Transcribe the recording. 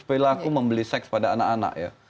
perilaku membeli seks pada anak anak ya